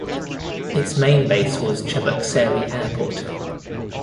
Its main base was Cheboksary Airport.